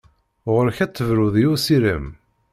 Ɣur-k ad tebruḍ i usirem!